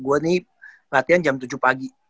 gue nih latihan jam tujuh pagi